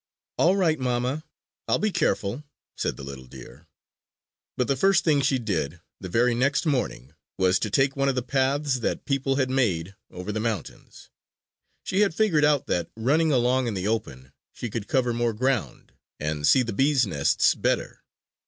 "All right, mamma, I'll be careful," said the little deer. But the first thing she did the very next morning was to take one of the paths that people had made over the mountains. She had figured out that, running along in the open, she could cover more ground and see the bees' nests better!